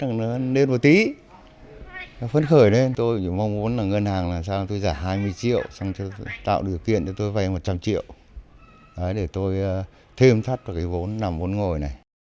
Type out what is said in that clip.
ngân hàng chính sách cho tôi vay hai mươi triệu tạo điều kiện cho tôi vay một trăm linh triệu để tôi thêm thắt vốn nằm vốn ngồi